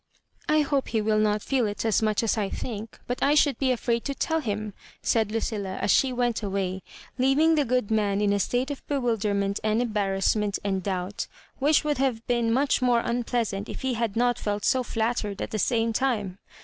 "I hope he will not feel it so much as I think ; but I should be afraid to tell him," said*Lucilla; and she went away, leaving the good man in a state of bewil derment and embarrassment and doubt, which would have been much more unpleasant if he had not felt so flattered at the same time.